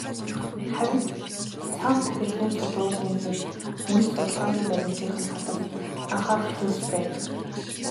Харин "сан тахилгын судруудын" хувьд мөн л судалгааны баримтынх нь талаас анхаарах зүйлс байдаг.